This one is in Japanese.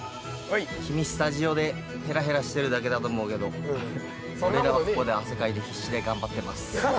君スタジオでヘラヘラしてるだけだと思うけど俺らはここで汗かいて必死で頑張ってます。